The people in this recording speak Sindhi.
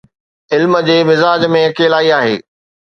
علم جي مزاج ۾ اڪيلائي آهي.